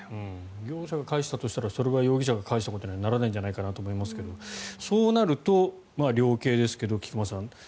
業者が返したとしたらそれは容疑者が返したことにはならないんじゃないかと思いますがそうなると、量刑ですけど菊間さん